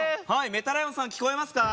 メタらいおんさん聞こえますか？